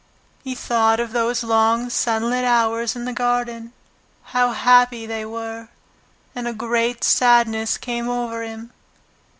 He thought of those long sunlit hours in the garden how happy they were and a great sadness came over him.